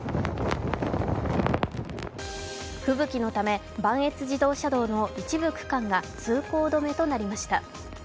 吹雪のため磐越自動車道の一部区間が通行止めとなりました。